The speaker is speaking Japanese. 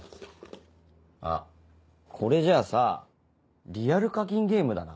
あっこれじゃあさリアル課金ゲームだな。